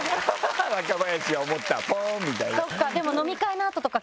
「若林は思ったポン」みたいな。